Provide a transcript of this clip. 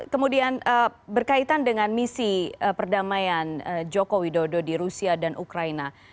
kemudian berkaitan dengan misi perdamaian joko widodo di rusia dan ukraina